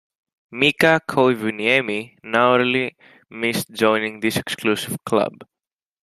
Mika Koivuniemi narrowly missed joining this exclusive club.